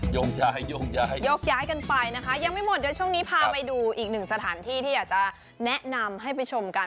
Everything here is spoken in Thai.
ยกย้ายโยกย้ายกันไปนะคะยังไม่หมดเดี๋ยวช่วงนี้พาไปดูอีกหนึ่งสถานที่ที่อยากจะแนะนำให้ไปชมกัน